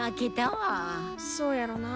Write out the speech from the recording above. そうやろなあ。